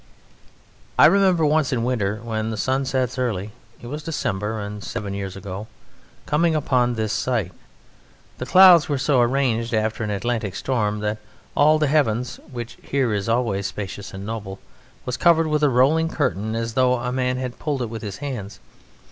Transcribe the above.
I remember once in winter when the sun sets early (it was December, and seven years ago) coming upon this sight. The clouds were so arranged after an Atlantic storm that all the heaven (which here is always spacious and noble) was covered with a rolling curtain as though a man had pulled it with his hands.